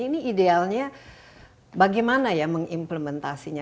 ini idealnya bagaimana ya mengimplementasinya